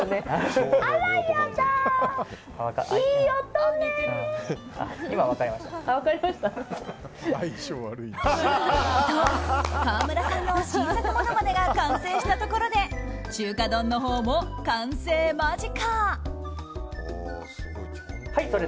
と、川村さんの新作ものまねが完成したところで中華丼のほうも完成間近。